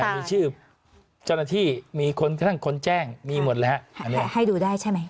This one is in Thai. มีชื่อเจ้าหน้าที่มีคนทั้งคนแจ้งมีหมดแล้วอันนี้ขอให้ดูได้ใช่ไหม